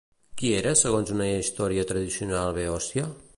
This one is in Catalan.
Qui era segons una història tradicional beòcia?